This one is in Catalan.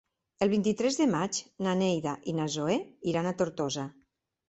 El vint-i-tres de maig na Neida i na Zoè iran a Tortosa.